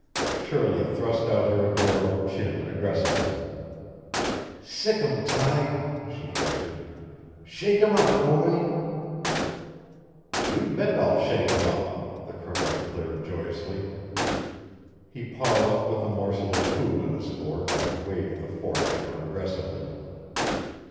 Shirley thrust out her adorable chin aggressively. "Sick 'em. Tige!" she answered. "Shake 'em up, boy!" "You bet I'll shake 'em up," the Colonel declared joyously. He paused with a morsel of food on his fork and waved the fork at her aggressively.